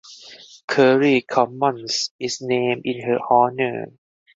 Curry Commons is named in her honor.